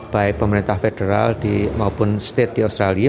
baik pemerintah federal maupun state di australia